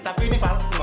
tapi ini palsu semua